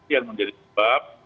yang menjadi sebab